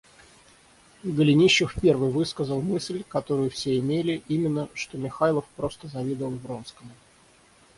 Голенищев первый высказал мысль, которую все имели, именно, что Михайлов просто завидовал Вронскому.